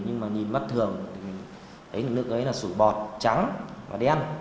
nhưng mà nhìn mắt thường thấy lượng nước ấy là sủi bọt trắng và đen